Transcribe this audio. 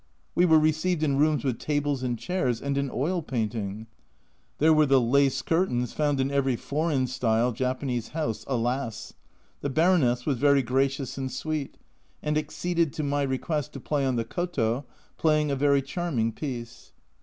We were received in rooms with tables and chairs, and an oil painting ! There were the " lace " curtains found in every " foreign style " Japanese house, alas ! The Baroness was very gracious and sweet, and acceded to my request to play on the Koto, playing a very charming piece.